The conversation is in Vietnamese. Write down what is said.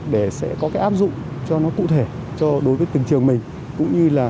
để sẽ có cái áp dụng cho nó cụ thể cho đối với từng trường mình